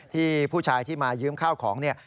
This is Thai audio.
ที่ผู้ชายที่มายืมข้าวของเนี่ย